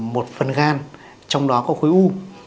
một phần gan trong đó có khối u